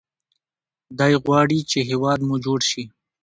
دی غواړي چې هیواد مو جوړ شي.